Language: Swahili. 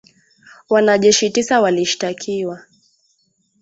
Wanajeshi tisa walishtakiwa